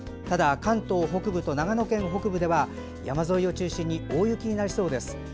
ただ、関東北部と長野県北部では山沿いを中心に大雪になりそうです。